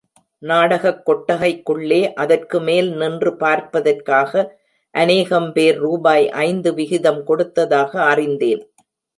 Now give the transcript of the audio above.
நாடகக் கொட்டகைக்குள்ளே அதற்குமேல் நின்று பார்ப்பதற்காக அநேகம் பேர் ரூபாய் ஐந்து விகிதம் கொடுத்ததாக அறிந்தேன்.